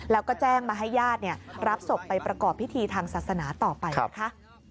แล้วก็แจ้งมาให้ญาติรับศพไปประกอบพิธีทางศาสนาต่อไปนะคะ